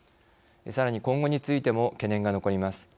さらに今後についても懸念が残ります。